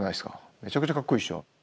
めちゃくちゃかっこいいでしょう？